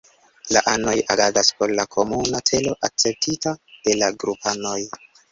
La anoj agadas por komuna celo, akceptita de la grupanoj.